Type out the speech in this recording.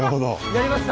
やりました！